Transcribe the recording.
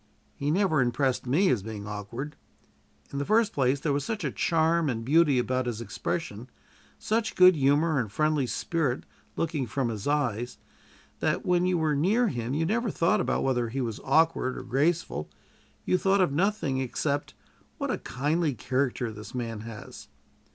He never impressed me as being awkward. In the first place, there was such a charm and beauty about his expression, such good humor and friendly spirit looking from his eyes, that when you were near him you never thought whether he was awkward or graceful; you thought of nothing except, What a kindly character this man has!